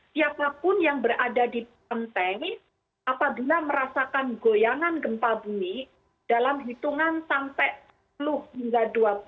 siapapun yang berada di kenteng apabila merasakan goyangan gempa bumi dalam hitungan sampai sepuluh hingga dua puluh